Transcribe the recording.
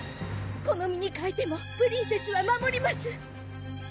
この身にかえてもプリンセスは守ります！